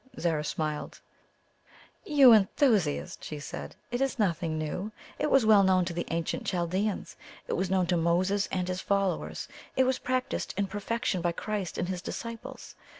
Zara smiled. "You enthusiast!" she said, "it is nothing new. It was well known to the ancient Chaldeans. It was known to Moses and his followers; it was practised in perfection by Christ and His disciples.